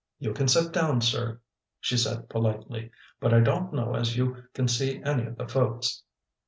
"You can set down, sir," she said politely, "but I don't know as you can see any of the folks.